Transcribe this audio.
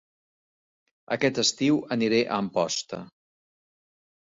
Aquest estiu aniré a Amposta